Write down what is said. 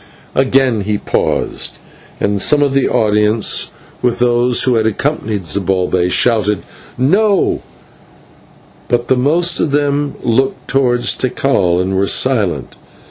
Again he paused, and some of the audience, with those who had accompanied Zibalbay, shouted "No;" but the most of them looked towards Tikal and were silent.